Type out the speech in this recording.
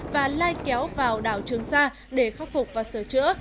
và lai kéo vào đảo trường sa để khắc phục và sửa chữa